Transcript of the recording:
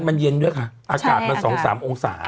มันเย็นด้วยค่ะอากาศมัน๒๓องศา